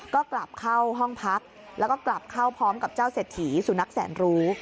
ก็กลับเข้าห้องพักแล้วก็กลับเข้าพร้อมกับเจ้าเศรษฐีสุนัขแสนรู้